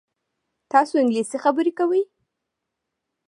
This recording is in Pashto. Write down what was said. تاسو انګلیسي خبرې کوئ؟